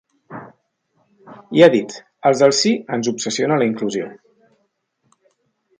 I ha dit: Als del sí ens obsessiona la inclusió.